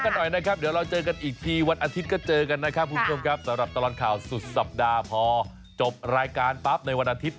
กันหน่อยนะครับเดี๋ยวเราเจอกันอีกทีวันอาทิตย์ก็เจอกันนะครับคุณผู้ชมครับสำหรับตลอดข่าวสุดสัปดาห์พอจบรายการปั๊บในวันอาทิตย